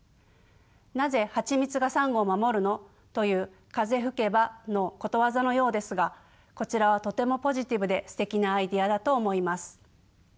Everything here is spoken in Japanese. なぜハチミツがサンゴを守るの？という「風吹けば」のことわざのようですがこちらはとてもポジティブですてきなアイデアだと思います。